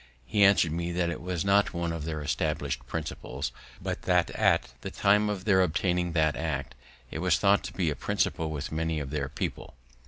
He answer'd me that it was not one of their established principles, but that, at the time of their obtaining that act, it was thought to be a principle with many of their people.